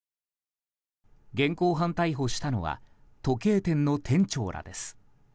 現行犯逮捕したのは時計店の店長らです。